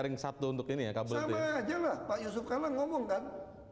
ring satu untuk ini ya kabel aja lah pak yusuf kalang ngomongkan